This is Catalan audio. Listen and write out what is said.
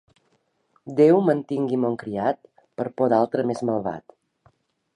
Déu mantingui mon criat per por d'altre més malvat.